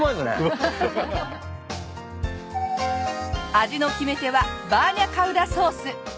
味の決め手はバーニャカウダソース。